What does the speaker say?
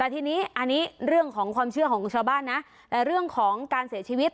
ทีนี้อันนี้เรื่องของความเชื่อของชาวบ้านนะแต่เรื่องของการเสียชีวิต